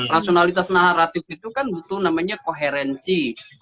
rasionalitas naratif itu kan butuh namanya koherensi